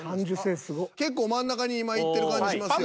結構真ん中に今いってる感じしますよ。